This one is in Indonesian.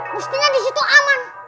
pastinya di situ aman